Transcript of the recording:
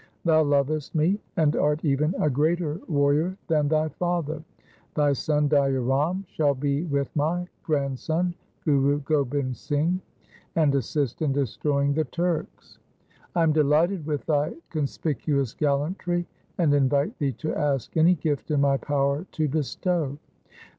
Thou lovest me, and art even a greater warrior than thy father. Thy son Daya Ram shall be with my grandson, Guru Gobind Singh, and assist in destroying the Turks. I am delighted with thy conspicuous gal lantry, and invite thee to ask any gift in my power to bestow.'